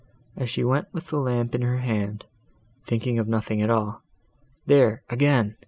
As she went with the lamp in her hand, thinking of nothing at all—There, again!"